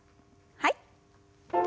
はい。